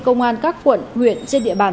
công an các quận huyện trên địa bàn